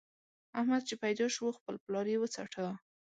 احمد چې پيدا شو؛ خپل پلار يې وڅاټه.